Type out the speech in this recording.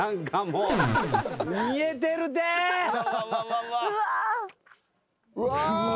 うわ！